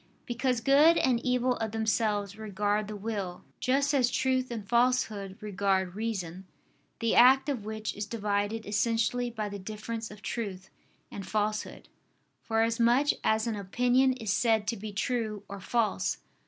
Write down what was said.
Because good and evil of themselves regard the will; just as truth and falsehood regard reason; the act of which is divided essentially by the difference of truth and falsehood, for as much as an opinion is said to be true or false.